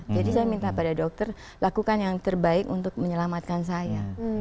jadi saya minta pada dokter lakukan yang terbaik untuk menyelamatkan saya